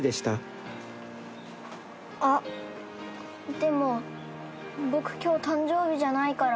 でも僕今日誕生日じゃないから。